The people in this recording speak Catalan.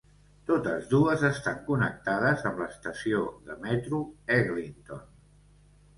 Totes dues estan connectades amb l'estació de metro Eglinton.